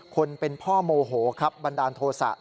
คนเป็นพ่อโมโหครับบันดาลโทษะ